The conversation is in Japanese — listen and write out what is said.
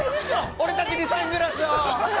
俺たちにサングラスを！